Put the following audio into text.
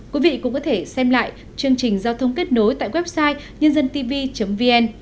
quý vị cũng có thể xem lại chương trình giao thông kết nối tại website nhândântv vn